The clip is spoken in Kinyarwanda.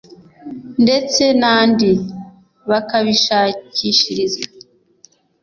ndetse n’andi bakabishshikarizwa”